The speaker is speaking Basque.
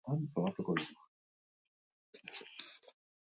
Gauzak ez dira beti espero bezala gertatzen.